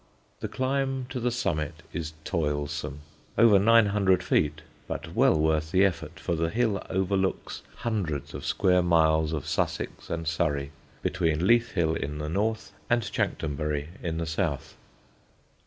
The climb to the summit is toilsome, over nine hundred feet, but well worth the effort, for the hill overlooks hundreds of square miles of Sussex and Surrey, between Leith Hill in the north and Chanctonbury in the south.